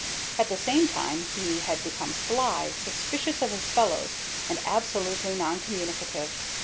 At the same time, he had become sly, suspicious of his fellows, and absolutely non communicative.